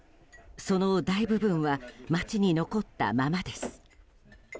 その大部分は街に残ったままです。